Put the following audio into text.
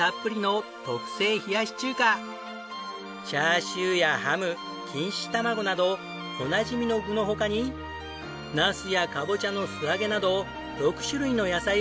チャーシューやハム錦糸卵などおなじみの具の他にナスやカボチャの素揚げなど６種類の野菜をのせました。